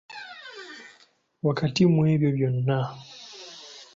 Wakati mu ebyo byonna